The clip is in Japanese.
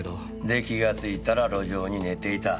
で気がついたら路上に寝ていた？